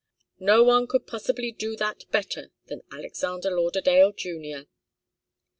No one could possibly do that better than Alexander Lauderdale Junior.